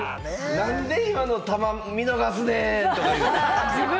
なんで今の球、見逃すねん！とか。